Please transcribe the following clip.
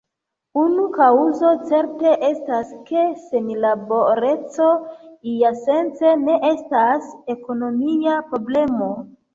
Unu kaŭzo certe estas, ke senlaboreco iasence ne estas ekonomia problemo.